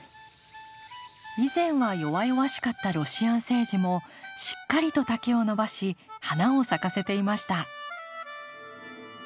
以前は弱々しかったロシアンセージもしっかりと丈を伸ばし花を咲かせていました。